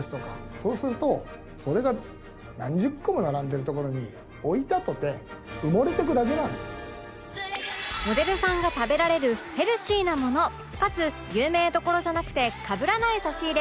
そうするとそれが何十個も並んでる所に置いたとてモデルさんが食べられるヘルシーなものかつ有名どころじゃなくてかぶらない差し入れ